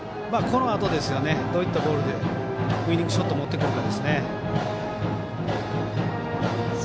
このあとですよねどういったボールでウイニングショット持ってくるか。